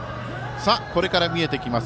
これから見えてきます